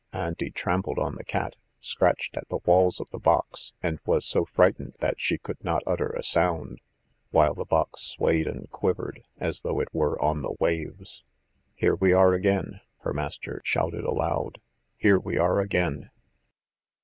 ... Auntie trampled on the cat, scratched at the walls of the box, and was so frightened that she could not utter a sound, while the box swayed and quivered, as though it were on the waves. ... "Here we are again!" her master shouted aloud: "here we are again!"